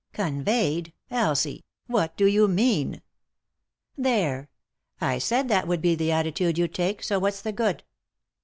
" Conveyed ?— Elsie I What do you mean ?"" There ; I said that would be the attitude you'd take, so what's the good